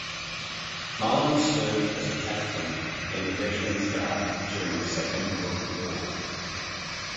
Mullin served as a captain in the Veterans Guard during the Second World War.